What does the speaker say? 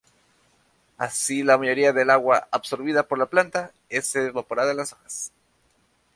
Así la mayoría del agua absorbida por la planta es evaporada en las hojas.